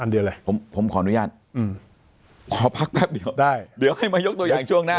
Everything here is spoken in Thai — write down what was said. เดียวเลยผมขออนุญาตขอพักแป๊บเดียวได้เดี๋ยวให้มายกตัวอย่างช่วงหน้า